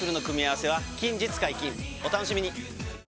お楽しみに。